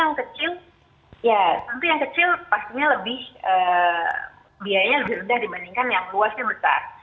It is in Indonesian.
yang kecil ya tapi yang kecil pastinya lebih biayanya lebih rendah dibandingkan yang luasnya besar